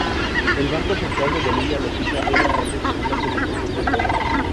El Banco Central de Bolivia lo fija diariamente según la cotización del dólar.